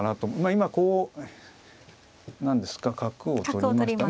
今こう何ですか角を取りました。